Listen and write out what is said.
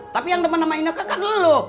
tapi yang demen sama ineke kan elo